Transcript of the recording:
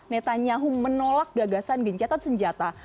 netanyahu menolak gagasan gencatan senjata